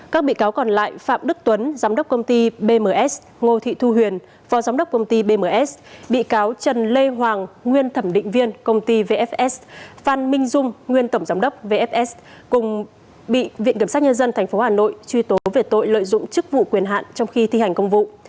các bị cáo còn lại phạm đức tuấn giám đốc công ty bms ngô thị thu huyền phó giám đốc công ty bms bị cáo trần lê hoàng nguyên thẩm định viên công ty vfs phan minh dung nguyên tổng giám đốc vfs cùng bị viện kiểm sát nhân dân tp hà nội truy tố về tội lợi dụng chức vụ quyền hạn trong khi thi hành công vụ